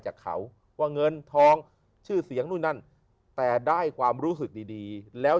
จากเขาว่าเงินทองชื่อเสียงนู่นนั่นแต่ได้ความรู้สึกดีดีแล้ว